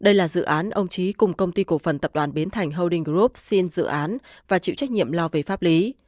đây là dự án ông trí cùng công ty cổ phần tập đoàn bến thành holding group xin dự án và chịu trách nhiệm lo về pháp lý